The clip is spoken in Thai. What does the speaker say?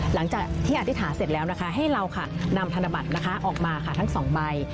หลังจากที่อธิษฐานเสร็จแล้วนะคะให้เราค่ะนำธนบัตรนะคะออกมาค่ะทั้งสองใบ